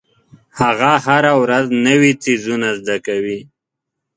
هغه هره ورځ نوې څیزونه زده کوي.